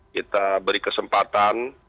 kita beri kesempatan